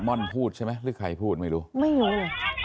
ม่อนพูดใช่ไหมหรือใครพูดไม่รู้